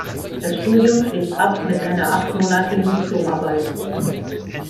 Das Studium schließt ab mit einer achtmonatigen Diplomarbeit.